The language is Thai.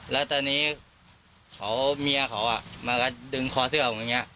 แล้วตอนนี้เขาเมียเขามาก็ดึงคอเสื้อผมอย่างนี้